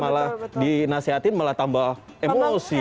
malah dinasehatin malah tambah emosi